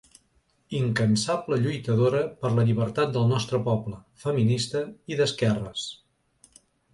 Incansable lluitadora per la llibertat del nostre poble, feminista i d'esquerres.